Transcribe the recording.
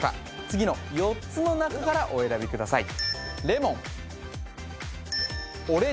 次の４つの中からお選びください